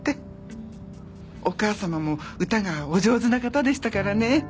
お母様も歌がお上手な方でしたからね。